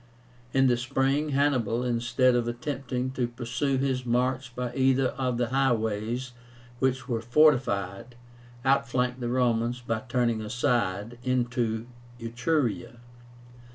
In the spring, Hannibal, instead of attempting to pursue his march by either of the highways which were fortified, outflanked the Romans by turning aside into Etruria.